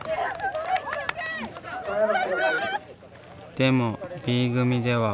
でもＢ組では。